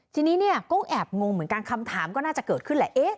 ทีนี้เนี่ยก็แอบงงเหมือนกันคำถามก็น่าจะเกิดขึ้นแหละ